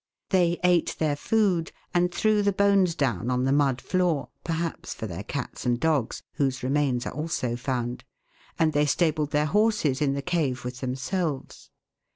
They ate their food and threw the bones down on the mud floor, perhaps for their cats and dogs, whose remains are also found, and they stabled their horses in the cave with themselves.